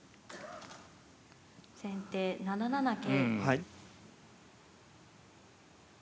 先手７七桂。